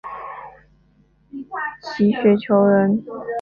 齐学裘人。